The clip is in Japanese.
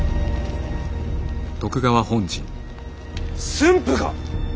駿府が！？